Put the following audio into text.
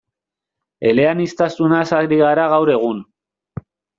Eleaniztasunaz ari gara gaur egun.